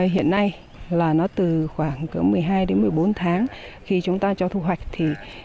hiện nay nó từ khoảng một mươi hai đến một mươi bốn tháng khi chúng ta cho thu hoạch